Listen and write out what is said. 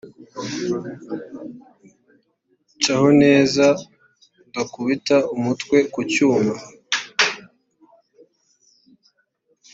caho neza udakubita umutwe ku cyuma